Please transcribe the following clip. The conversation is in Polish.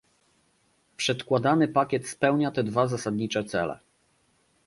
Przedkładany pakiet spełnia te dwa zasadnicze cele